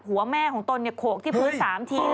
หัวแม่ของตนโขกที่พื้น๓ที